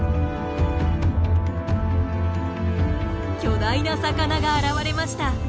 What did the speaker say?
巨大な魚が現れました。